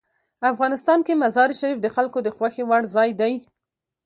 افغانستان کې مزارشریف د خلکو د خوښې وړ ځای دی.